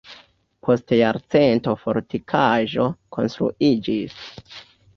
Post jarcento fortikaĵo konstruiĝis.